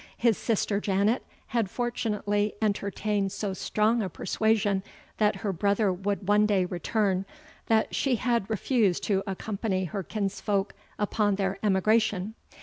His sister Janet had fortunately entertained so strong a persuasion that her brother would one day return, that she had refused to accompany her kinsfolk upon their emigration.